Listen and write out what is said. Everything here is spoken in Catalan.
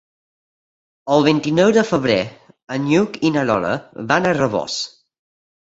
El vint-i-nou de febrer en Lluc i na Lola van a Rabós.